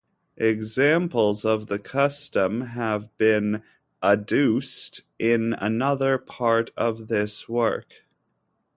Examples of the custom have been adduced in another part of this work.